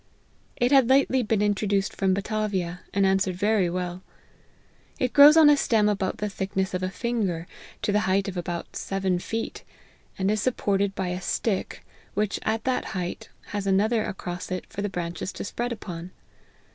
It had lately been in troduced from Batavia, and answered very well. It grows on a stem about the thickness of a finger, to the height of about seven feet, and is supported by a stick, which, at that height, has another across for the branches to spread upon.